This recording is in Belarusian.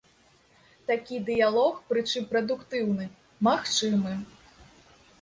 Такі дыялог, прычым прадуктыўны, магчымы.